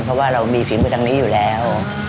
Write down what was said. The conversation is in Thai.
เพราะว่าเรามีฝีมือทางนี้อยู่แล้ว